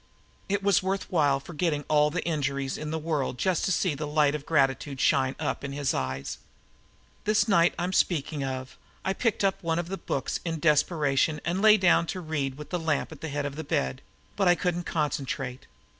It was worth while forgetting all the injuries in the world just to see the light of gratitude shine up in his eyes. This night I am speaking of I picked up one of the books in desperation and lay down to read with the lamp at the head of the bed; but I couldn't concentrate.